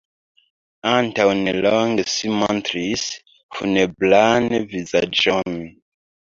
Antaŭ ne longe ŝi montris funebran vizaĝon.